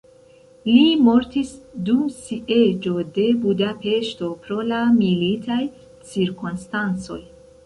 Li mortis dum sieĝo de Budapeŝto pro la militaj cirkonstancoj.